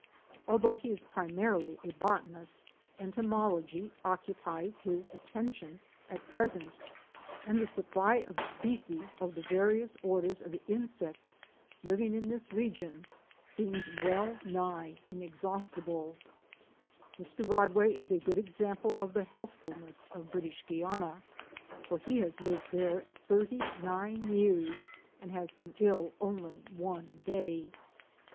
Although he is primarily a botanist, entomology, occupies and the supply of species of Fic. 61. his attention at present, the various orders of insects living in this region seems well nigh inexhaustible. Mr. Rodway is a good example of the healthfulness of British Guiana, for he has lived there thirty nine years and has been ill only one day.